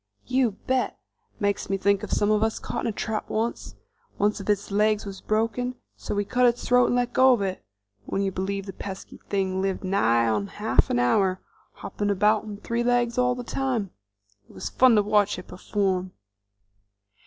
"You bet! Makes me think of one some of us caught in a trap once. One of its legs was broken, so we cut its throat and let go of it. Would you believe the pesky thing lived nigh on half an hour, hopping about on three legs all the time. It was fun to watch it perform!"